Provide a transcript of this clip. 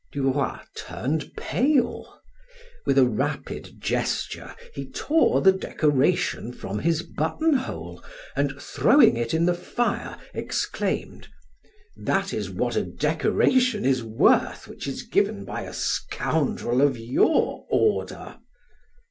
Du Roy turned pale. With a rapid gesture he tore the decoration from his buttonhole and throwing it in the fire exclaimed: "That is what a decoration is worth which is given by a scoundrel of your order."